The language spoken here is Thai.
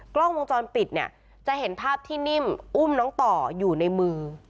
กล้องวงจรปิดเนี่ยจะเห็นภาพที่นิ่มอุ้มน้องต่ออยู่ในมือ